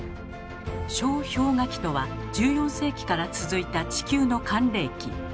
小氷河期とは１４世紀から続いた地球の寒冷期。